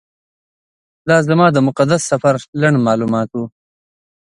دا زما د مقدس سفر لنډ معلومات و.